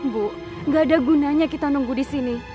bu gak ada gunanya kita nunggu disini